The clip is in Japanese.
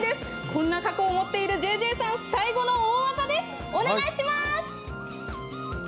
こんな過去を持っているＪＪさん最後の大技です、お願いします。